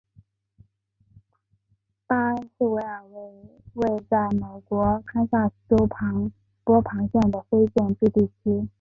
巴恩斯维尔为位在美国堪萨斯州波旁县的非建制地区。